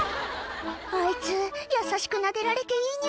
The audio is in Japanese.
「あいつ優しくなでられていいニャ」